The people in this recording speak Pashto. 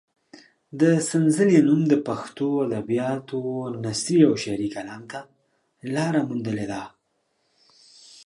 د سنځلې نوم د پښتو ادبیاتو نثري او شعري کلام ته لاره موندلې ده.